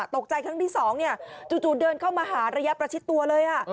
ครั้งที่๒จู่เดินเข้ามาหาระยะประชิดตัวเลย